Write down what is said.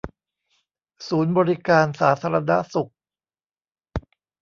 ศูนย์บริการสาธารณสุข